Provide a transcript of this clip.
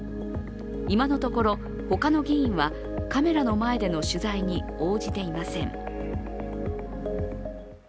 今のところ、他の議員はカメラの前での取材に応じていません。